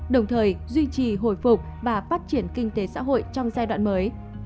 đồng thời duy trì hồi phục và phát triển kinh tế xã hội trong giai đoạn mới